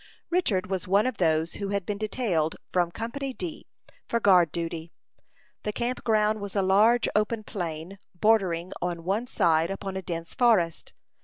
Richard was one of those who had been detailed from Company D, for guard duty. The camp ground was a large, open plain, bordering on one side upon a dense forest.